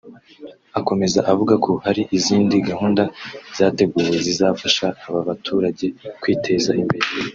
Akomeza avuga ko hari izindi gahunda zateguwe zizafasha aba baturage kwiteza imbere